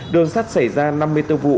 đường sắt xảy ra năm mươi bốn vụ